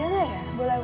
ya itu dong